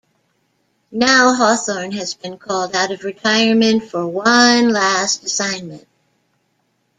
Now Hawthorne has been called out of retirement for one last assignment.